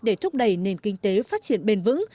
để thúc đẩy nền kinh tế phát triển bền vững